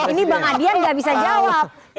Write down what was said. ini bang andian enggak bisa jawab